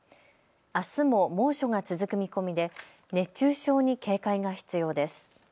あすも猛暑が続く見込みで熱中症に警戒が必要です。